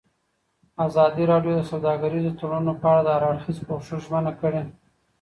ازادي راډیو د سوداګریز تړونونه په اړه د هر اړخیز پوښښ ژمنه کړې.